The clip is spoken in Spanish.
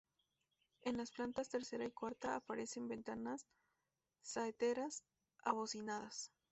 En las plantas tercera y cuarta aparecen ventanas saeteras abocinadas.